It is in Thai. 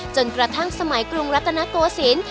จนกระทั่งสมัยกรุงรัตนโกศิลป์